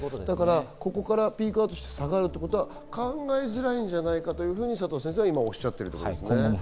ここからピークアウトして下がることは考えづらいんじゃないかと佐藤先生は今おっしゃっている。